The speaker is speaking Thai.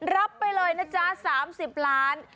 รับไปเลยนะจ๊ะ๓๐ล้าน